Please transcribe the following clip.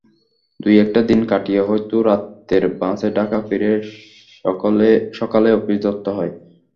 দু-একটা দিন কাটিয়ে হয়তো রাতের বাসে ঢাকা ফিরেই সকালে অফিস ধরতে হয়।